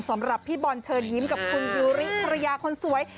สำหรับพี่บอลเชิญยิ้มกับคุณยูริภรรยาคนสวย